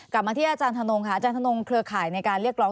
กลับมาที่อาจารย์ธนงค่ะอาจารย์ธนงเครือข่ายในการเรียกร้อง